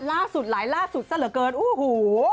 ล่าสุดหลายล่าสุดสระเกินอู้หู